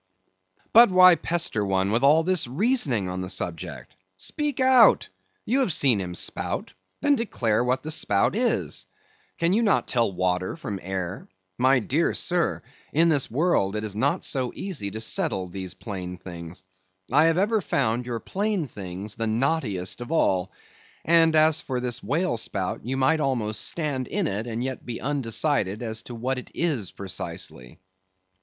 But why pester one with all this reasoning on the subject? Speak out! You have seen him spout; then declare what the spout is; can you not tell water from air? My dear sir, in this world it is not so easy to settle these plain things. I have ever found your plain things the knottiest of all. And as for this whale spout, you might almost stand in it, and yet be undecided as to what it is precisely.